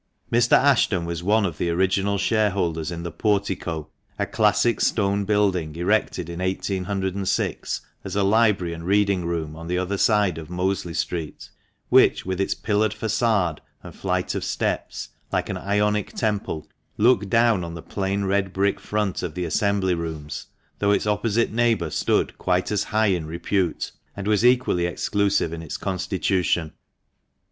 Mr. Ashton was one of the original shareholders in the Portico, a classic stone building erected in 1806 as a library and reading room, on the other side of Mosley Street, which, with its pillared facade and flight of steps, like an Ionic temple, looked down on the plain red brick front of the Assembly Rooms, though its opposite neighbour stood quite as high in repute, and was equally exclusive in its constitution.